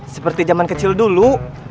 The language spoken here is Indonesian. seperti zaman kecil dulu